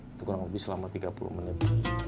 itu kurang lebih selama tiga puluh menit